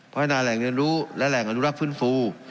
พัฒนาแหล่งเรียนรู้และแหล่งอนุรักษ์ฟื้นฟู